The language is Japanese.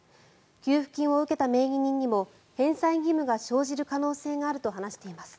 給付金を受けた名義人にも返済義務が生じる可能性があると話しています。